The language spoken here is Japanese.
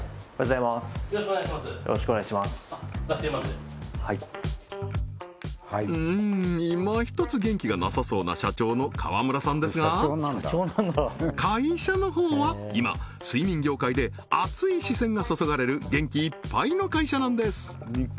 ですうーんな社長の川村さんですが会社の方は今睡眠業界で熱い視線が注がれる元気いっぱいの会社なんです